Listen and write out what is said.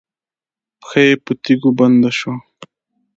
پښه یې په تيږو بنده شوه.